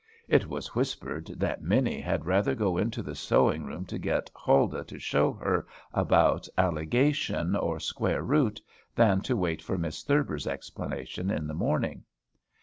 It was whispered that Minnie had rather go into the sewing room to get Huldah to "show her" about "alligation" or "square root," than to wait for Miss Thurber's explanations in the morning.